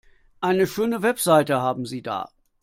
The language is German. Eine schöne Website haben Sie da.